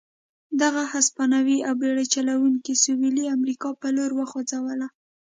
دغه هسپانوي او بېړۍ چلوونکي سوېلي امریکا په لور وخوځوله.